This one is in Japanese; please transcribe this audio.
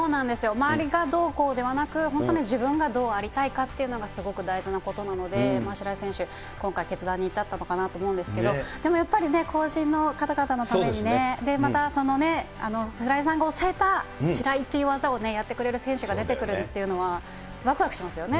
周りがどうこうではなく、自分がどうありたいかっていうことがすごく大事なことなので、白井選手、今回、決断に至ったのかなと思うんですけど、やっぱりね、後進の方々のためにね、でまたその白井さんが教えたシライという技をやってくれる選手が出てくるっていうのは、わくわくしますよね。